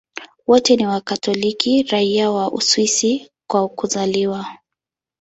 Wote ni Wakatoliki raia wa Uswisi kwa kuzaliwa.